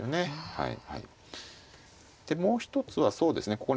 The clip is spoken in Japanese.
はい。